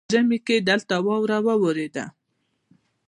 ژمي کې دلته واوره ورېده